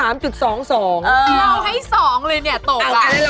เราให้๒เลยตกละ